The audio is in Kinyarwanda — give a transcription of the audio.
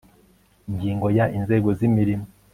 ingingo ya inzego z imirimo